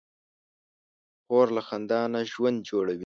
خور له خندا نه ژوند جوړوي.